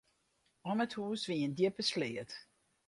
Om it hús wie in djippe sleat.